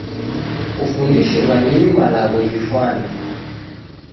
Kufundishe w'anyinyu malagho ghifwane